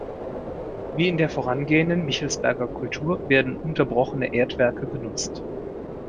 Wie in der vorangehenden Michelsberger Kultur werden unterbrochene Erdwerke genutzt.